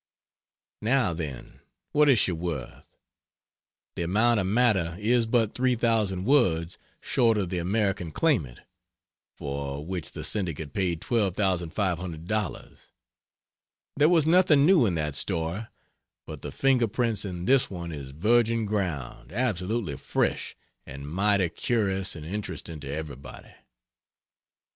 Now, then what is she worth? The amount of matter is but 3,000 words short of the American Claimant, for which the syndicate paid $12,500. There was nothing new in that story, but the finger prints in this one is virgin ground absolutely fresh, and mighty curious and interesting to everybody.